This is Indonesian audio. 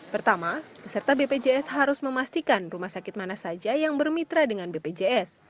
pertama peserta bpjs harus memastikan rumah sakit mana saja yang bermitra dengan bpjs